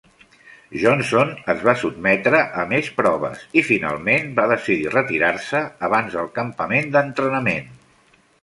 Johnson es va sotmetre a més proves i finalment va decidir retirar-se abans del campament d'entrenament.